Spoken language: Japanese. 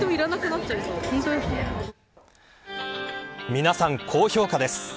皆さん、高評価です。